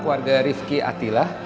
keluarga rifki atila